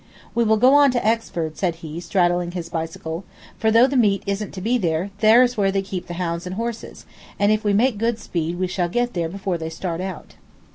"We will go on to Exford," said he, straddling his bicycle, "for though the meet isn't to be there, there's where they keep the hounds and horses, and if we make good speed we shall get there before they start out."